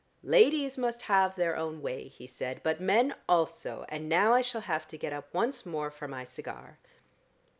"Ladies must have their own way," he said. "But men also, and now I shall have to get up once more for my cigar."